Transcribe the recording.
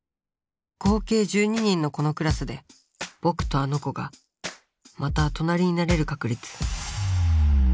合計１２人のこのクラスでぼくとあの子がまた隣になれる確率。